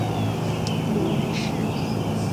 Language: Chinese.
母于氏。